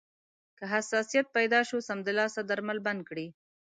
که حساسیت پیدا شو، سمدلاسه درمل بند کړئ.